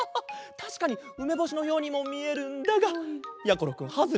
たしかにうめぼしのようにもみえるんだがやころくんハズレットだ。